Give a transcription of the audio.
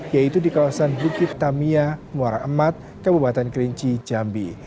yaitu di kawasan bukit tamiya muara emat kabupaten kerinci jambi